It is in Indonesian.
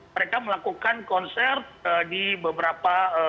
mereka melakukan konser di beberapa